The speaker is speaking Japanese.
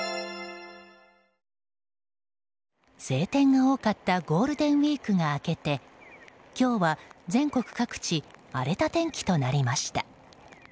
晴天が多かったゴールデンウィークが明けて今日は全国各地荒れた天気となりました。